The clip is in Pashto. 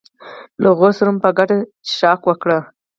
له هغو سره مو په ګډه څښاک وکړ.